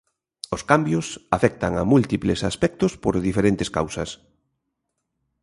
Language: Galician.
Os cambios afectan a múltiples aspectos, por diferentes causas.